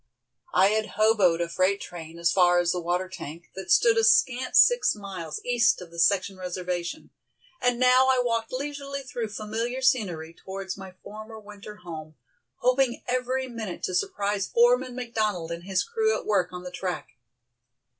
I had hoboed a freight train as far as the water tank, that stood a scant six miles east of the section reservation, and now I walked leisurely through familiar scenery towards my former winter home, hoping every minute to surprise Foreman McDonald and his crew at work on the track.